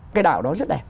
cái đảo đó rất đẹp